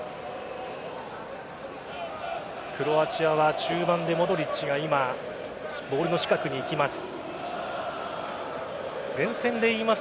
クロアチアは中盤でモドリッチが今ボールの近くに行きます。